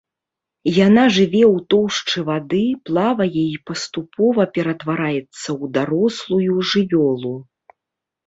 Яна жыве ў тоўшчы вады, плавае і паступова ператвараецца ў дарослую жывёлу.